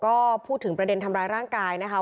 ก็พูดถึงประเด็นทำร้ายร่างกายนะคะ